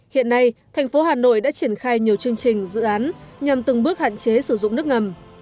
hiện nay thành phố hà nội đã triển khai nhiều chương trình dự án nhằm từng bước hạn chế sử dụng nước ngầm